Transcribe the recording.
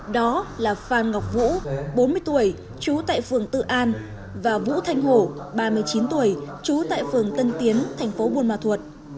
đó là phan ngọc vũ bốn mươi tuổi trú tại phường tự an và vũ thanh hổ ba mươi chín tuổi trú tại phường tân tiến thành phố buôn ma thuột